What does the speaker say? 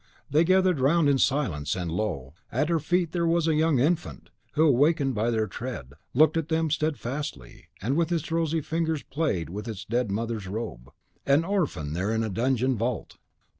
They gathered round in silence; and lo! at her feet there was a young infant, who, wakened by their tread, looked at them steadfastly, and with its rosy fingers played with its dead mother's robe. An orphan there in a dungeon vault!